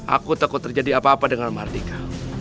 aku takut terjadi apa apa dengan mardika